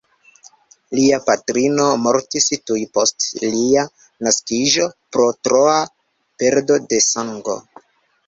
Lia patrino mortis tuj post lia naskiĝo pro troa perdo de sango.